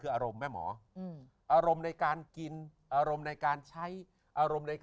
ข้อเสียมีอีกแล้วไหม